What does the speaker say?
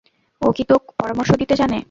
ও কি তােক পরামর্শ দিতে জানে?